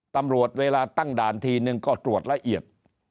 ตำรวจเวลาตั้งด่านทีนึงก็ตรวจละเอียด